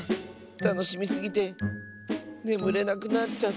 たのしみすぎてねむれなくなっちゃった。